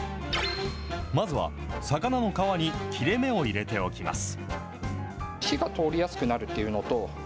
まずは魚の皮に切れ目を入れておきます。